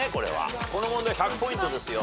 この問題１００ポイントですよ。